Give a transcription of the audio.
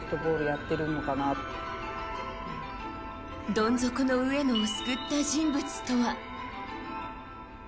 どん底の上野を救った人物とは。